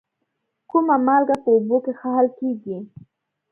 کومه مالګه په اوبو کې ښه حل کیږي؟